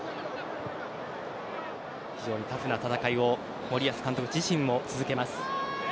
非常にタフな戦いを森保監督自身も続けます。